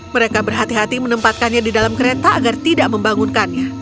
mereka berhati hati menempatkannya di dalam kereta agar tidak membangunkannya